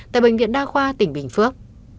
tại bệnh viện đa khoa tỉnh bình phước